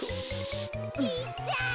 ・いったい！